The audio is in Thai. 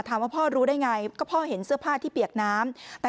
พ่อรู้ได้ไงก็พ่อเห็นเสื้อผ้าที่เปียกน้ำ